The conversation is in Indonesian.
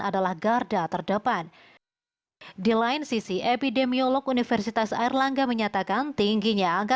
adalah garda terdepan di lain sisi epidemiolog universitas airlangga menyatakan tingginya angka